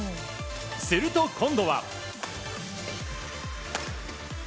すると、今度は。